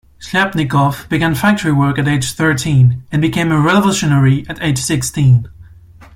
Shliapnikov began factory work at age thirteen and became a revolutionary at age sixteen.